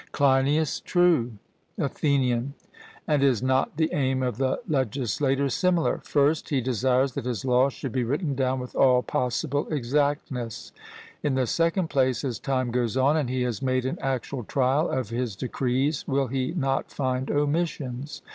CLEINIAS: True. ATHENIAN: And is not the aim of the legislator similar? First, he desires that his laws should be written down with all possible exactness; in the second place, as time goes on and he has made an actual trial of his decrees, will he not find omissions?